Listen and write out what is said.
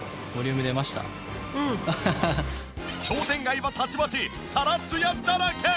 商店街はたちまちサラツヤだらけ！